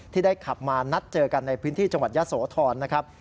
ได้ขับมานัดเจอกันในพื้นที่จังหวัดยะโสธรนะครับ